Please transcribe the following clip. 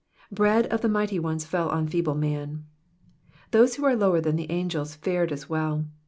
Bread of the mighty ones fell on feeble man. Those who are lower than the angels fared as well.